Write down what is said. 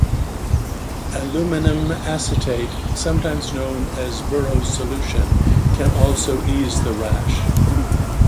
Aluminium acetate, sometimes known as Burow's solution, can also ease the rash.